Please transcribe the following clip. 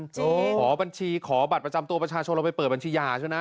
ขอบัญชีขอบัตรประจำตัวประชาชนเราไปเปิดบัญชียาใช่ไหม